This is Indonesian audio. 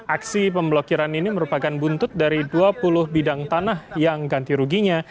aksi pemblokiran ini merupakan buntut dari dua puluh bidang tanah yang ganti ruginya